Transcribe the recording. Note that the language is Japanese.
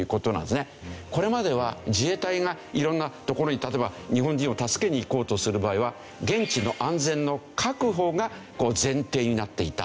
これまでは自衛隊が色んな所に例えば日本人を助けに行こうとする場合は現地の安全の確保が前提になっていた。